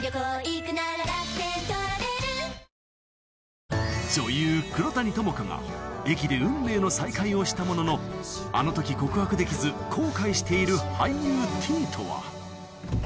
そして女優黒谷友香が駅で運命の再会をしたもののあの時告白できず後悔している俳優Ｔとは？